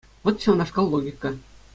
Вӑт ҫавнашкал логика.